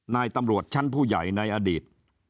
นายตำรวจชั้นผู้ใหญ่ในอดีต